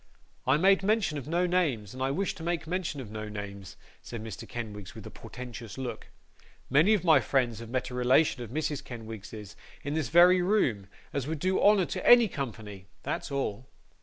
'I made mention of no names, and I wish to make mention of no names,' said Mr. Kenwigs, with a portentous look. 'Many of my friends have met a relation of Mrs. Kenwigs's in this very room, as would do honour to any company; that's all.